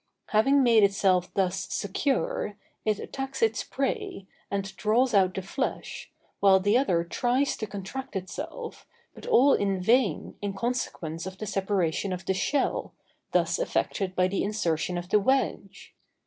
Having made itself thus secure, it attacks its prey, and draws out the flesh, while the other tries to contract itself, but all in vain, in consequence of the separation of the shell, thus effected by the insertion of the wedge.